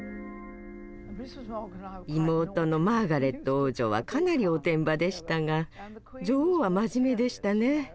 妹のマーガレット王女はかなりおてんばでしたが女王は真面目でしたね。